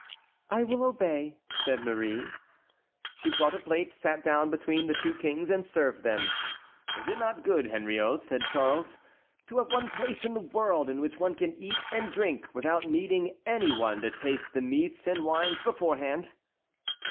"I will obey," said Marie. She brought a plate, sat down between the two kings, and served them. "Is it not good, Henriot," said Charles, "to have one place in the world in which one can eat and drink without needing any one to taste the meats and wines beforehand?"